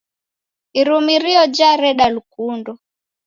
Irumirio jareda lukundo